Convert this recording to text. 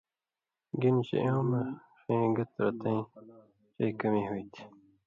گِنہۡ چے اېوں مہ ݜَیں گت رَتیں چئ کمی ہُوئ تھی۔